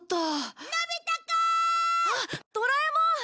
あっドラえもん！